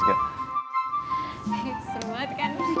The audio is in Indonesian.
seru banget kan